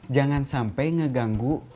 jangan sampai ngeganggu